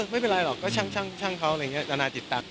ไม่เป็นไรหรอกก็ช่างเขาอะไรอย่างนี้จนาจิตตั๊ก